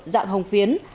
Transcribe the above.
dạng hồng phiến